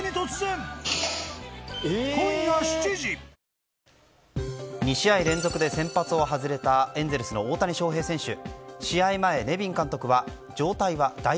缶コーヒーの「ＢＯＳＳ」２試合連続で先発を外れたエンゼルスの大谷翔平選手。